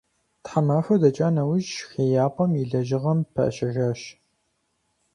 Тхьэмахуэ дэкӏа нэужь хеяпӀэм и лэжьыгъэм пащэжащ.